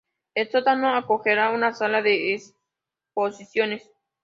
El sótano acogerá una sala de exposiciones.